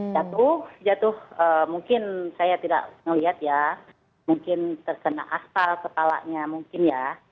jatuh jatuh mungkin saya tidak melihat ya mungkin terkena aspal kepalanya mungkin ya